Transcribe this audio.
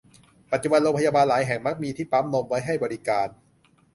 ปัจจุบันโรงพยาบาลหลายแห่งมักมีที่ปั๊มนมไว้ให้บริการ